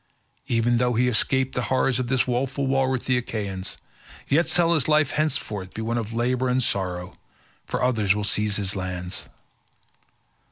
Even though he escape the horrors of this woeful war with the Achaeans, yet shall his life henceforth be one of labour and sorrow, for others will seize his lands.